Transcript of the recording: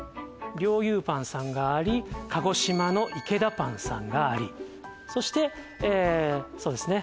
リョーユーパンさんがあり鹿児島のイケダパンさんがありそしてそうですね